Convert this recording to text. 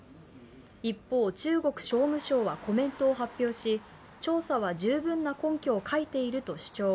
一方、中国商務省はコメントを発表し調査は十分な根拠を書いていると主張。